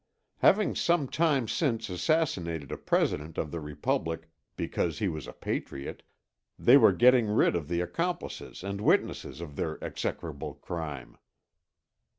Having some time since assassinated a President of the Republic because he was a patriot, they were getting rid of the accomplices and witnesses of their execrable crime.